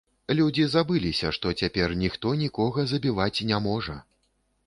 Людзі забыліся, што цяпер ніхто нікога забіваць не можа.